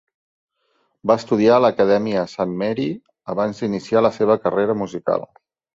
Va estudiar a la acadèmia Saint Mary abans d'iniciar la seva carrera musical.